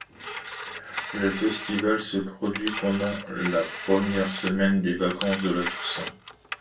Le festival se produit pendant la première semaine des vacances de la Toussaint.